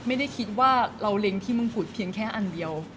ไม่ได้คิดว่าเราเล็งที่มึงผุดเพียงแค่อันเดียว